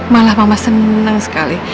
malah mama seneng sekali